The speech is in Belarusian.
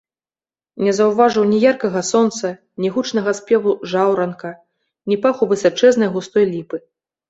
Не заўважыў ні яркага сонца, ні гучнага спеву жаўранка, ні паху высачэзнай густой ліпы.